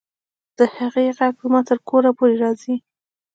د هغې غږ زما تر کوره پورې راځي